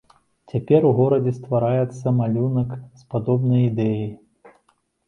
Цяпер у горадзе ствараецца малюнак з падобнай ідэяй.